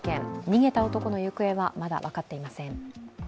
逃げた男の行方はまだ分かっていません。